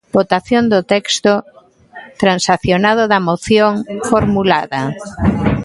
Votación do texto transaccionado da Moción formulada.